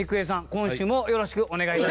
今週もよろしくお願い致します。